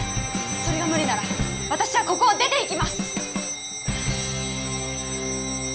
それが無理なら私はここを出ていきます